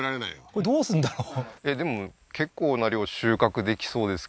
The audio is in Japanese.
これどうするんだろう？